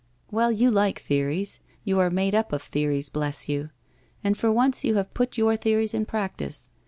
'Well, you like theories, you are made up of theories, bless you! And for once you have put your theories in practice.